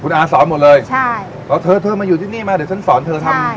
อาสอนหมดเลยใช่บอกเธอเธอมาอยู่ที่นี่มาเดี๋ยวฉันสอนเธอทำ